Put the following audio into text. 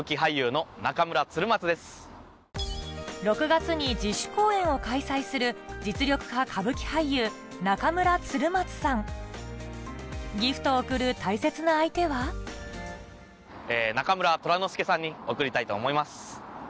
６月に自主公演を開催する実力派ギフトを贈る大切な相手は中村虎之介さんに贈りたいと思います。